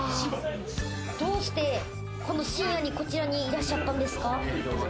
どうしてこの深夜に、こちらにいらっしゃったんですか？